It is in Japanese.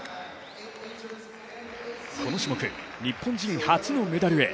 この種目、日本人初のメダルへ。